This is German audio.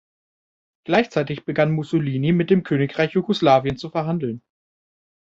Gleichzeitig begann Mussolini mit dem Königreich Jugoslawien zu verhandeln.